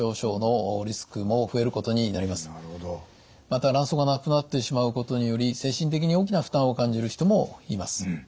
また卵巣がなくなってしまうことにより精神的に大きな負担を感じる人もいます。